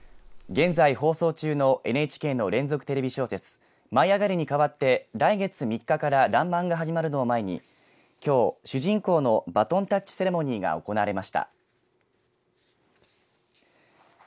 現在、放送中のＮＨＫの連続テレビ小説舞いあがれ！にかわって来月３日かららんまんが始まるのを前にきょう主人公のバトンタッチセレモニーが行われました。